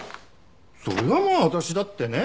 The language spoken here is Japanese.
それはまあ私だってね